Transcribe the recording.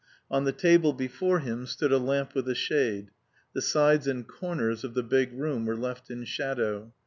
On the table before him stood a lamp with a shade. The sides and corners of the big room were left in shadow.